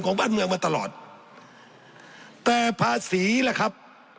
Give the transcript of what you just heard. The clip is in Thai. บ้านเมืองมาตลอดแต่ภาษีล่ะครับ